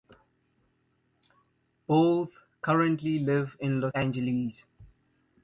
Both currently live in Los Angeles.